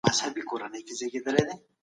د کرنیز سکتور پرمختګ مهم دی.